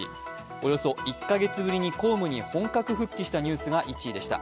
およそ１カ月ぶりに公務に復帰したニュースが１位でした。